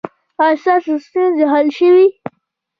ایا ستاسو ستونزې حل شوې؟